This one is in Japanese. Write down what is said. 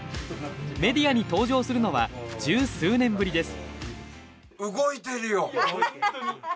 メディアに登場するのは十数年ぶりです。